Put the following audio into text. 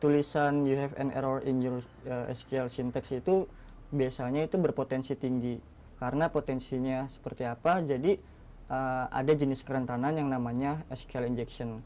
lalu siapa sebenarnya entitas bernama biorka ini